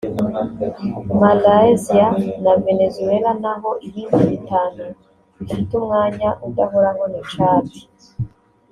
Malaysia na Venezuela naho ibindi bitanu bfite umwanya udahoraho ni Chad